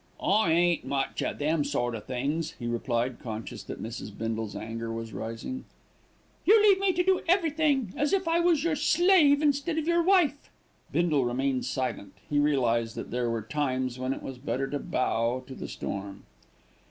"I ain't much at them sort o' things," he replied, conscious that Mrs. Bindle's anger was rising. "You leave me to do everything, as if I was your slave instead of your wife." Bindle remained silent. He realized that there were times when it was better to bow to the storm.